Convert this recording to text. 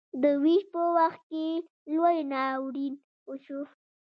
د ویش په وخت کې لوی ناورین وشو.